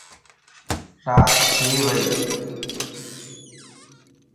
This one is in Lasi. رات ٿي ويئي